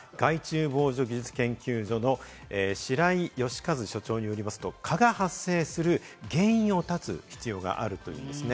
害虫防除技術研究所の白井良和所長によりますと、蚊が発生する原因を絶つ必要があるというんです。